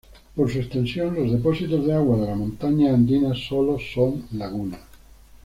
Por su extensión los depósitos de agua de las montañas andinas, solo son lagunas.